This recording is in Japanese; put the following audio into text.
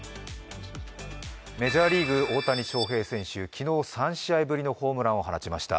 メジャーリーグ、大谷翔平選手、昨日、３試合ぶりのホームランを打ちました。